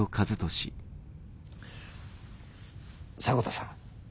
迫田さん。